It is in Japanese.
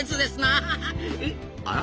あら？